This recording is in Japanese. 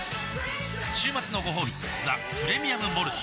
週末のごほうび「ザ・プレミアム・モルツ」